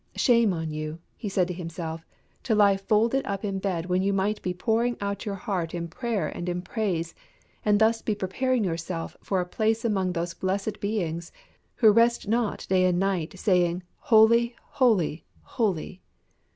Shame on you, he said to himself, to lie folded up in a bed when you might be pouring out your heart in prayer and in praise, and thus be preparing yourself for a place among those blessed beings who rest not day and night saying, Holy, Holy, Holy.